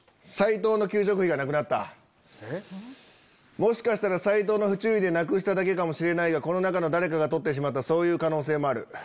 もしかしたら斎藤の不注意でなくしただけかもしれないがこの中の誰かが取ってしまったそういう可能性もある。